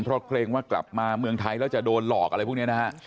เพราะเกรงว่ากลับมาเมืองไทยแล้วจะโดนหลอกอะไรพวกนี้นะฮะ